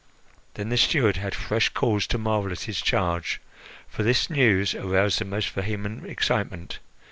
Then the steward had fresh cause to marvel at his charge, for this news aroused the most vehement excitement.